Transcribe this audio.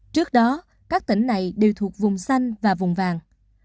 trước đó các tỉnh này đều thuộc vùng xanh và vùng vàng